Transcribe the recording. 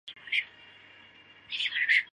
勒索莱。